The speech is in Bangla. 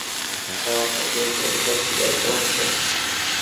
খাও, আচারের জন্য তোমার শক্তি দরকার হবে।